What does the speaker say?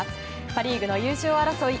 パ・リーグの優勝争い